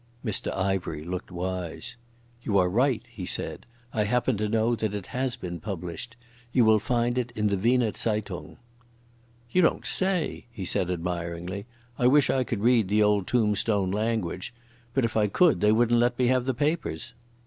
Mr Ivery looked wise. "You are right," he said. "I happen to know that it has been published. You will find it in the Weser Zeitung." "You don't say?" he said admiringly. "I wish I could read the old tombstone language. But if I could they wouldn't let me have the papers."